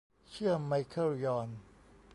เชื่อ ไมเคิล ยอน